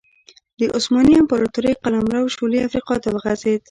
د عثماني امپراتورۍ قلمرو شولې افریقا ته وغځېد.